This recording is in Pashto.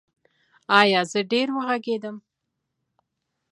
ایا زه ډیر وغږیدم؟